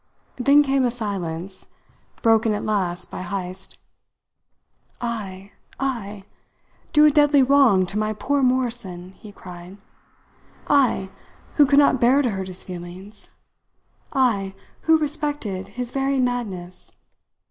Then came a silence, broken at last by Heyst: "I! I! do a deadly wrong to my poor Morrison!" he cried. "I, who could not bear to hurt his feelings. I, who respected his very madness!